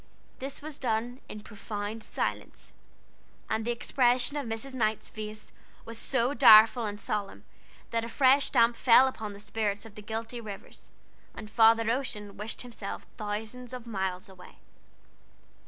This was done in profound silence; and the expression of Mrs. Knight's face was so direful and solemn, that a fresh damp fell upon the spirits of the guilty Rivers, and Father Ocean wished himself thousands of miles away.